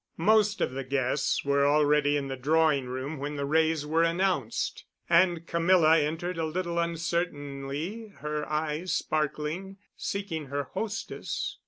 Most of the guests were already in the drawing room when the Wrays were announced. And Camilla entered a little uncertainly, her eyes sparkling, seeking her hostess.